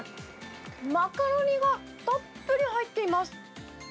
マカロニがたっぷり入っています。